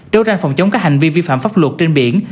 đấu tranh phòng chống các hành vi vi phạm pháp luật trên biển